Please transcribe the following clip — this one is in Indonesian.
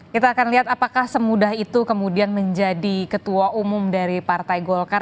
kita akan lihat apakah semudah itu kemudian menjadi ketua umum dari partai golkar